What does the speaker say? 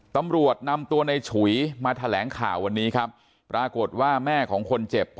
ตำรวจนำตัวในฉุยมาแถลงข่าววันนี้ครับปรากฏว่าแม่ของคนเจ็บ